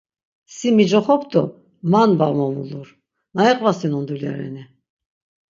Si micoxop do man va movulur na iqvasunon dulya reni?